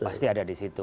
pasti ada di situ